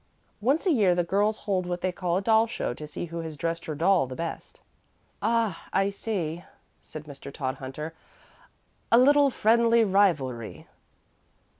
Once a year the girls hold what they call a doll show to see who has dressed her doll the best." "Ah, I see," said Mr. Todhunter; "a little friendly rivalry."